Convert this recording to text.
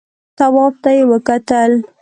تواب ته يې وکتل.